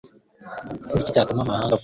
Ni iki cyatuma amahanga avuga ngo